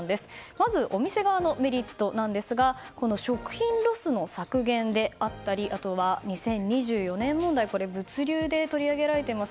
まずお店側のメリットですが食品ロスの削減であったりあとは２０２４年問題物流で取り上げられています。